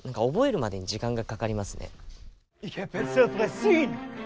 覚えるまでに時間がかかりますね。